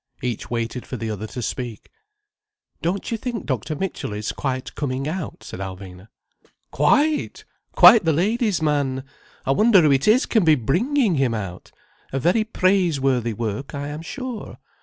Each waited for the other to speak. "Don't you think Dr. Mitchell is quite coming out?" said Alvina. "Quite! Quite the ladies' man! I wonder who it is can be bringing him out. A very praiseworthy work, I am sure."